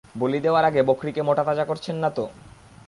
বলি দেওয়ার আগে বকরিকে মোটাতাজা করছেন না তো?